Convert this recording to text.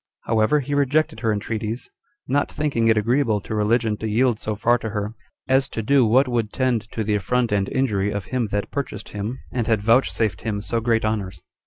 However, he rejected her entreaties, not thinking it agreeable to religion to yield so far to her, as to do what would tend to the affront and injury of him that purchased him, and had vouchsafed him so great honors.